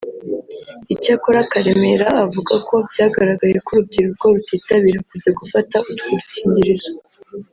Icyakora Karemera avuga ko byagaragaye ko urubyiruko rutitabira kujya gufata utwo dukingirizo